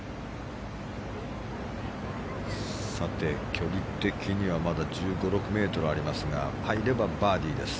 距離的にはまだ１５１６ｍありますが入ればバーディーです。